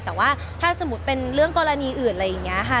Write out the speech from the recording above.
แต่ว่าถ้าสมมุติเป็นเรื่องกรณีอื่นอะไรอย่างนี้ค่ะ